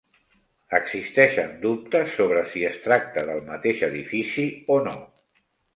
Existeixen dubtes sobre si es tracta del mateix edifici o no.